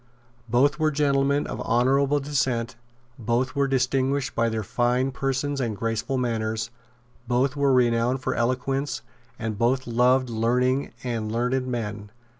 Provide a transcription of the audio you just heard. Both were gentlemen of honourable descent; both were distinguished by their fine persons and graceful manners; both were renowned for eloquence; and both loved learning and learned men.